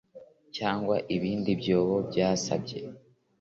cyangwa ibindi byobo byasamye